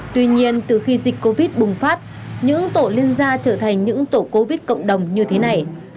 tuy nhiên từ khi dịch covid bùng phát những tổ liên gia trở thành những tổ covid cộng đồng như thế này